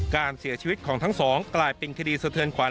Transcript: การเสียชีวิตของทั้งสองกลายเป็นคดีสะเทือนขวัญ